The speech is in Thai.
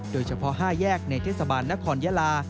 โดยเฉพาะ๕แยกในเทศบาลนครยาลา